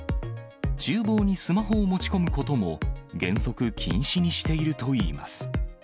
ちゅう房にスマホを持ち込むことも原則禁止にしているといいます。